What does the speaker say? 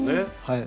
はい。